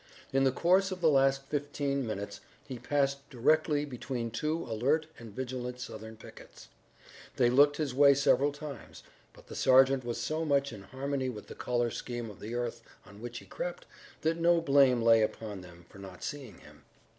In the course of the last fifteen minutes he passed directly between two alert and vigilant Southern pickets. They looked his way several times, but the sergeant was so much in harmony with the color scheme of the earth on which he crept, that no blame lay upon them for not seeing him.